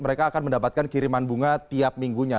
mereka akan mendapatkan kiriman bunga tiap minggunya